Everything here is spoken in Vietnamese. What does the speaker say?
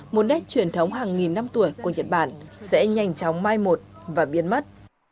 một nét truyền thống hàng nghìn năm tuổi của nhật bản sẽ nhanh chóng mai một và biến mất